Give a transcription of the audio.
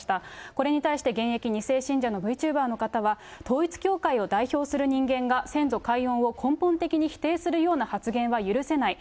これに対して、現役２世信者のＶチューバーの方は、統一教会を代表する人間が、先祖解怨を根本的に否定するような発言は許せない。